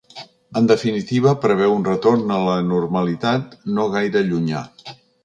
En definitiva, preveu un retorn a la normalitat no gaire llunyà.